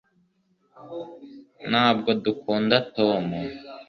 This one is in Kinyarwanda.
ntabwo dukunda tom